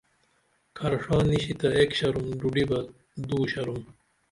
کھر ڜا نیشی تہ ایک شروم ڈوڈی بہ دو شروم